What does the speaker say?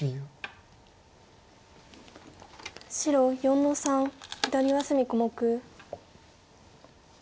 白４の三左上隅小目。